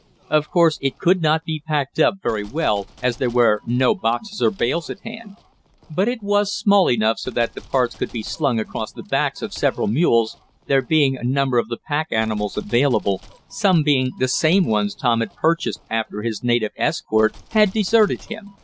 Of course it could not be packed up very well, as there were no boxes or bales at hand. But it was made small enough so that the parts could be slung across the backs of several mules, there being a number of the pack animals available, some being the same ones Tom had purchased after his native escort had deserted him.